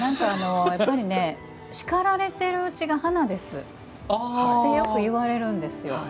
やっぱりね、叱られているうちが華ですってよく言われるんです。